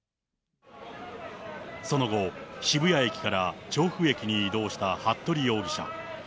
その後、渋谷駅から調布駅に移動した服部容疑者。